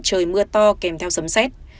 trời mưa to kèm theo sấm xét